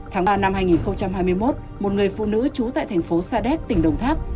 tháng ba năm hai nghìn hai mươi một một người phụ nữ trú tại thành phố sa đéc tỉnh đồng tháp